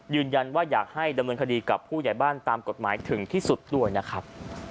อยากให้ดำเนินคดีกับผู้ใหญ่บ้านตามกฎหมายถึงที่สุดด้วยนะครับ